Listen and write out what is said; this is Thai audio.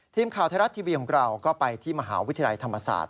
ทีมข่าวไทยรัฐทีวีของเราก็ไปที่มหาวิทยาลัยธรรมศาสตร์